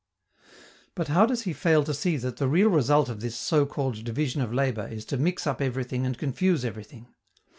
But how does he fail to see that the real result of this so called division of labor is to mix up everything and confuse everything?